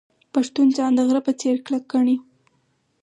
پښتون ځان د غره په څیر کلک ګڼي.